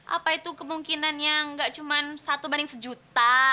apa itu kemungkinannya gak cuma satu banding sejuta